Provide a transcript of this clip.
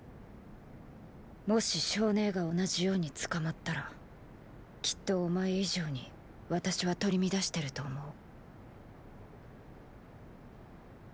もし象姉が同じように捕まったらきっとお前以上に私は取り乱してると思う。